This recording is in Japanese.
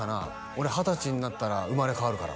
「俺二十歳になったら生まれ変わるから」